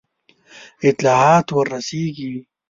اطلاعات ورسیږي.